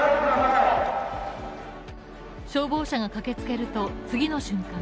消防車が駆けつけると、次の瞬間。